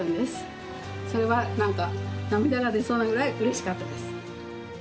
それは涙が出そうなぐらい嬉しかったです。